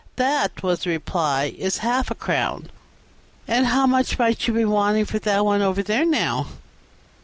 "That," was the reply, "is half a crown." "And how much might you be wanting for that one over there, now?"